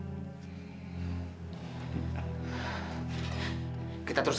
kenapa tidak ada nomornya